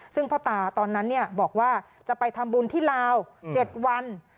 ซึ่งพ่อตาตอนนั้นบอกว่าจะไปทำบุญที่ลาว๗วัน